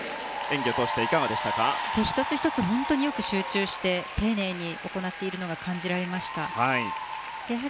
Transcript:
１つ１つ本当によく集中して丁寧に行っているのが感じられましたね。